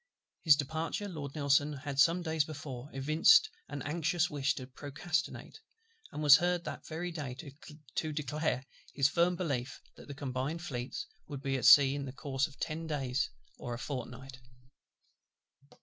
His departure Lord NELSON had some days before evinced an anxious wish to procrastinate, and was heard that very day to declare his firm belief that the Combined Fleets would be at sea in the course of ten days or a fortnight.